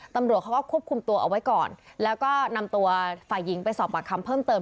ตำรวจเขาก็ควบคุมตัวเอาไว้ก่อนแล้วก็นำตัวฝ่ายหญิงไปสอบปากคำเพิ่มเติม